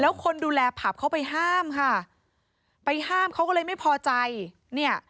แล้วคนดูแลผับเขาไปห้ามค่ะไปห้ามเขาก็เลยไม่พอใจเนี่ย